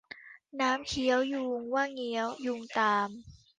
น้ำเคี้ยวยูงว่าเงี้ยว ยูงตาม